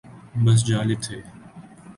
بس جالب تھے۔